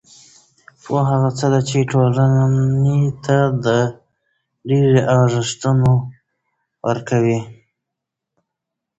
پوهه هغه څه ده چې ټولنې ته د ډېری ارزښتونه ورکوي.